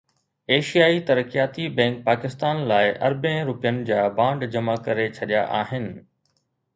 ايشيائي ترقياتي بئنڪ پاڪستان لاءِ اربين رپين جا بانڊ جمع ڪري ڇڏيا آهن